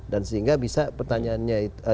dan sehingga bisa pertanyaannya